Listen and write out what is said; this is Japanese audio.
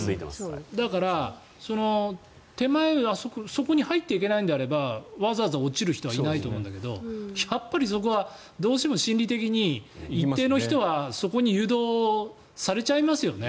だから、手前そこに入っていけないのであればわざわざ落ちる人はいないと思うんだけどやっぱりそこはどうしても心理的に一定の人はそこに誘導されちゃいますよね。